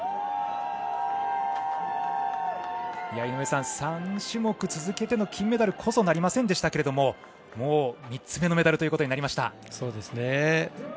井上さん、３種目続けての金メダルこそなりませんでしたがもう３つ目のメダルということになりました。